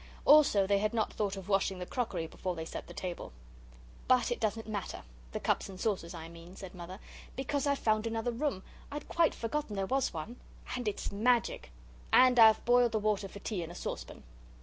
Also they had not thought of washing the crockery before they set the table. "But it doesn't matter the cups and saucers, I mean," said Mother. "Because I've found another room I'd quite forgotten there was one. And it's magic! And I've boiled the water for tea in a saucepan."